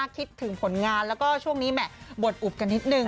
คิดถึงผลงานแล้วก็ช่วงนี้แหม่บดอุบกันนิดนึง